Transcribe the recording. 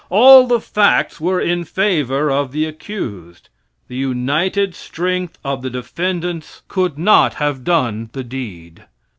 All the facts were in favor of the accused. The united strength of the defendants could not have done the deed.